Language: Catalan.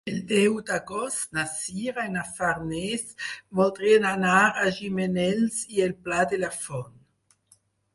El deu d'agost na Sira i na Farners voldrien anar a Gimenells i el Pla de la Font.